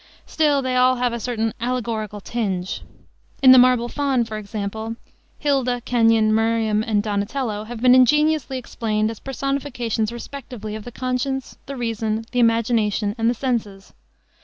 Still they all have a certain allegorical tinge. In the Marble Faun, for example, Hilda, Kenyon, Miriam and Donatello have been ingeniously explained as personifications respectively of the conscience, the reason, the imagination and the senses.